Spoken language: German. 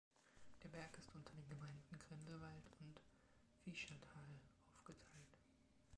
Der Berg ist unter den Gemeinden Grindelwald und Fieschertal aufgeteilt.